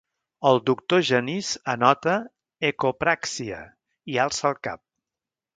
El doctor Genís anota «ecopràxia» i alça el cap.